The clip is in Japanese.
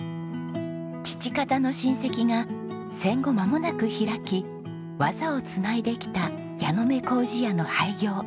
父方の親戚が戦後まもなく開き技をつないできた矢ノ目糀屋の廃業。